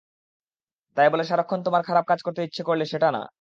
তাই বলে সারাক্ষণ তোমার খারাপ কাজ করতে ইচ্ছে করলে, সেটা না।